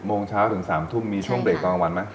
โมงเช้าถึง๓ทุ่มมีช่วงเบรกตอนกลางวันไหม